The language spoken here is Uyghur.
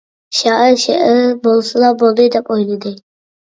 شائىر شېئىر بولسىلا بولدى، دەپ ئويلىدى.